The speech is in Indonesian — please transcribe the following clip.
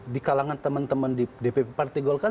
di kalangan teman teman di dpp partai golkar